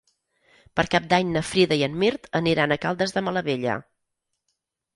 Per Cap d'Any na Frida i en Mirt aniran a Caldes de Malavella.